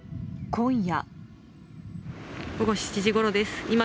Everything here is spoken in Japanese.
今夜。